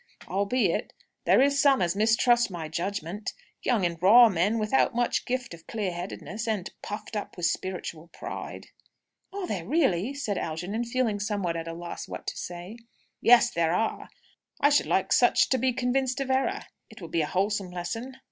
"Albeit there is some as mistrust my judgment; young and raw men without much gift of clear headedness, and puffed up with spiritual pride." "Are there, really?" said Algernon, feeling somewhat at a loss what to say. "Yes, there are. I should like such to be convinced of error. It would be a wholesome lesson."